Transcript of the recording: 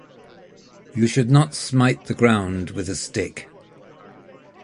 You should not smite the ground with a stick.